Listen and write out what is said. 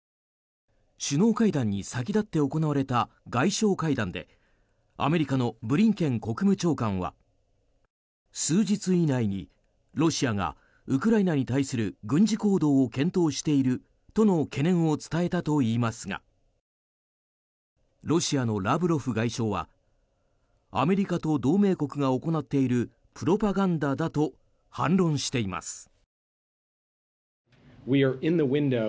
首脳会談に先立って行われた外相会談でアメリカのブリンケン国務長官は数日以内にロシアがウクライナに対する軍事行動を検討しているとの懸念を伝えたといいますがロシアのラブロフ外相はアメリカと同盟国が行っているプロパガンダだと反論しています。